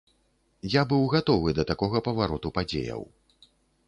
Я быў гатовы да такога павароту падзеяў.